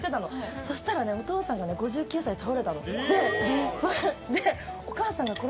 そしたらお父さんが５９歳で倒れたの。